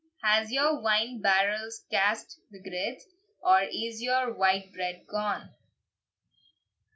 Has your wine barrels cast the girds, Or is your white bread gone?